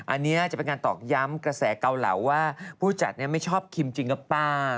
อันนี้จะเป็นการตอกย้ำกระแสเกาเหลาว่าผู้จัดไม่ชอบคิมจริงหรือเปล่าป้า